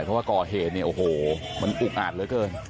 เพราะว่าก่อเหตุเนี่ยโอ้โหมันอุกอาจเหลือเกิน